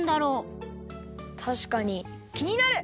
たしかにきになる！